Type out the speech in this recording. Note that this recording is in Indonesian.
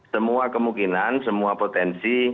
semua kemungkinan semua potensi